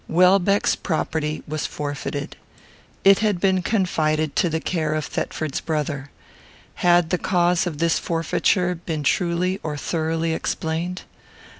Welbeck's property was forfeited. It had been confided to the care of Thetford's brother. Had the cause of this forfeiture been truly or thoroughly explained?